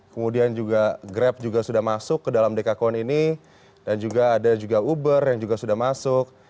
kemudian juga grab juga sudah masuk ke dalam dekakon ini dan juga ada juga uber yang juga sudah masuk